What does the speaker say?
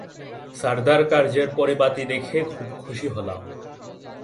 সারদার কার্যের পরিপাটি দেখে খুব খুশী হলাম।